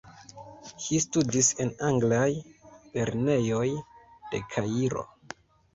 Li studis en anglaj lernejoj de Kairo.